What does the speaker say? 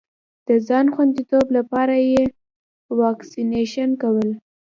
د ځان خوندیتوب لپاره یې واکسېنېشن کول.